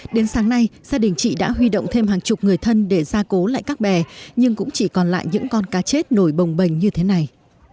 đến sáng nay gia đình chị đã huy động thêm hàng chục người thân để gia cố lại các bè nhưng cũng chỉ còn lại những con cá chết nổi bồng bềnh như thế này